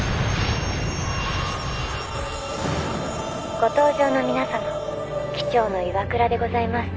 「ご搭乗の皆様機長の岩倉でございます」。